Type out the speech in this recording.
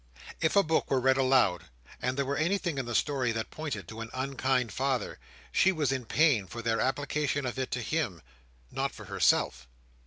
If a book were read aloud, and there were anything in the story that pointed at an unkind father, she was in pain for their application of it to him; not for herself.